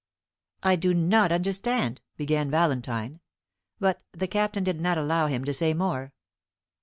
"I do not understand " began Valentine; but the Captain did not allow him time to say more.